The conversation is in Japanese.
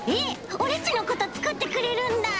オレっちのことつくってくれるんだ！